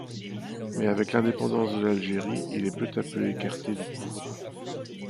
Mais avec l'indépendance de l'Algérie, il est peu à peu écarté du pouvoir.